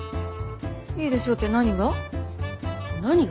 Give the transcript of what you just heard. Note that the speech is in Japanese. いいでしょって何が？